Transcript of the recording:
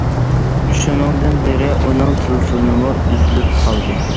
شۇنىڭدىن بېرى ئۇنىڭ تېلېفونىمۇ ئۈزۈلۈپ قالدى.